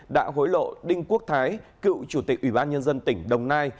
đã hối lộ đinh quốc thái cựu chủ tịch ủy ban nhân dân tỉnh đồng nai